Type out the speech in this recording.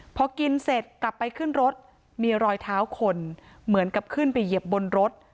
พอกินเสร็จกลับไปขึ้นรถมีรอยเท้าคนเหมือนกับขึ้นไปเหยียบบนรถ